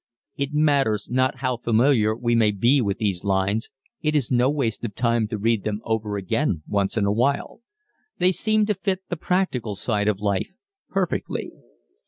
It matters not how familiar we may be with these lines it is no waste of time to read them over again once in awhile. They seem to fit the practical side of life perfectly.